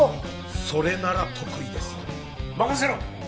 それなら得意です任せろ！